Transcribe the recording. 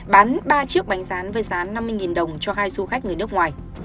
bán ba chiếc bánh rán với rán năm mươi đồng cho hai du khách người nước ngoài